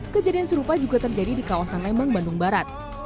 kejadian serupa juga terjadi di kawasan lembang bandung barat